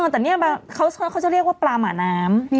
แต่นี่เขาจะเรียกว่าปลาหมาน้ำ